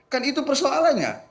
kan itu persoalannya